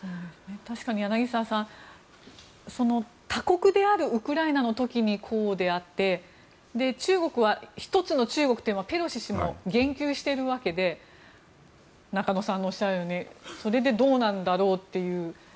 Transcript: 確かに柳澤さん他国であるウクライナの時にこうであって中国は１つの中国というペロシ氏も言及しているわけで中野さんのおっしゃるようにそれでどうなんだろうっていう。